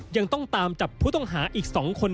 ยังต้องตามจับผู้ต้องหาอีก๒คน